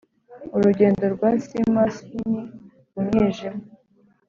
urugendo rwa seamus heaney mu mwijima